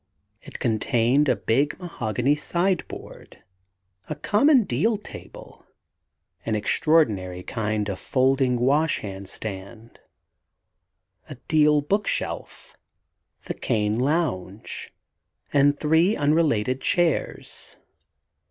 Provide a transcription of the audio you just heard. It contained a big mahogany sideboard; a common deal table, an extraordinary kind of folding wash hand stand; a deal bookshelf, the cane lounge, and three unrelated chairs.